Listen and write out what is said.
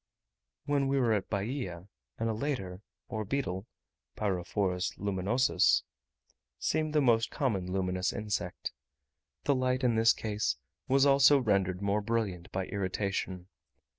When we were at Bahia, an elater or beetle (Pyrophorus luminosus, Illig.) seemed the most common luminous insect. The light in this case was also rendered more brilliant by irritation.